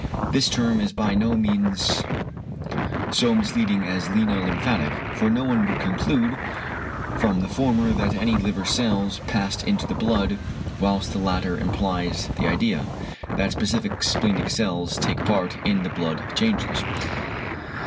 This term is by no means so misleading as lieno lymphatic; for no one would conclude from the former that any liver cells passed into the blood, whilst the latter implies the idea, that specific splenic cells take part in the blood changes.